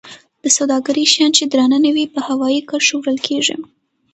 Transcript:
د سوداګرۍ شیان چې درانه نه وي په هوایي کرښو وړل کیږي.